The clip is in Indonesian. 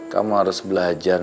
kamu harus belajar